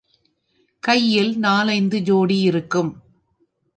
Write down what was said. கையில் நாலைந்து ஜோடி இருக்கும்.